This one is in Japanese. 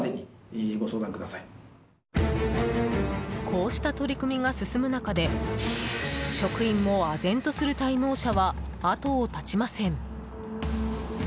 こうした取り組みが進む中で職員もあぜんとする滞納者は後を絶ちません。